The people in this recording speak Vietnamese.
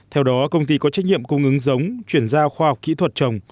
theo đó công ty có trách nhiệm cung ứng giống chuyển giao khoa học kỹ thuật trồng